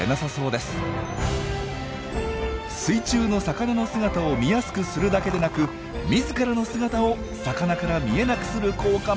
水中の魚の姿を見やすくするだけでなく自らの姿を魚から見えなくする効果まであったとは！